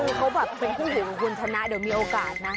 คือเขาแบบเป็นผู้หญิงของคุณชนะเดี๋ยวมีโอกาสนะ